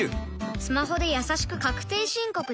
スマホでやさしく確定申告できます